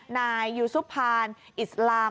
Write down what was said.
นายยูซุพานอิสลาม